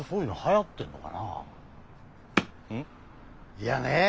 いやねぇ